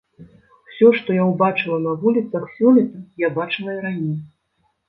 Усё што я ўбачыла на вуліцах сёлета, я бачыла і раней.